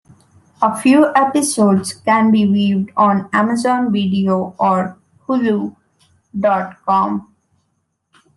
A few episodes can be viewed on Amazon Video or hulu dot com.